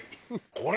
これ。